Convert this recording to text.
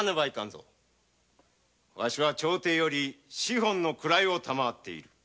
わしは朝廷より四品の位を賜っている。